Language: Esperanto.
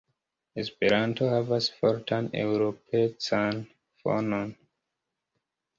Esperanto havas fortan eŭropecan fonon.